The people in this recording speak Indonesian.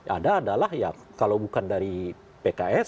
ada adalah ya kalau bukan dari pks